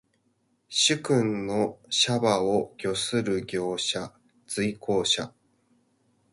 主君の車馬を御する従者。随行者。